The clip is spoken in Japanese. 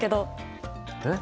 えっ？